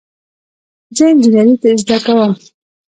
زه انجینری زده کوم